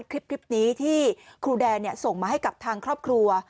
คลิปนี้ที่ครูแดนส่งมาให้กับทางครอบครัว